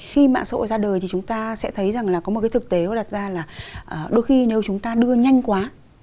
khi mạng xã hội ra đời thì chúng ta sẽ thấy rằng là có một cái thực tế nó đặt ra là đôi khi nếu chúng ta đưa nhanh quá